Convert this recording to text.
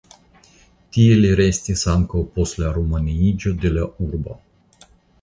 Tie li restis ankaŭ post la rumaniiĝo de la urbo.